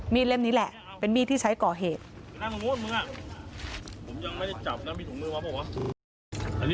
มีดเล่นนี้แหละเป็นมีดที่ใช้ก่อเหตุนั่งลงโม้นมึงอ่ะ